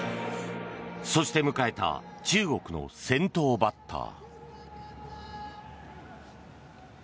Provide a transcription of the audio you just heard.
そして迎えた中国の先頭バッター。